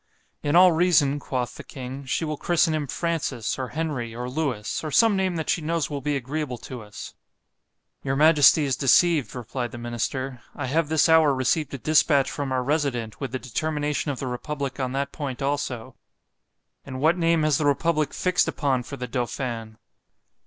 In all reason, quoth the king—she will christen him Francis, or Henry, or Lewis, or some name that she knows will be agreeable to us. Your majesty is deceived, replied the minister——I have this hour received a dispatch from our resident, with the determination of the republic on that point also.——And what name has the republick fixed upon for the Dauphin?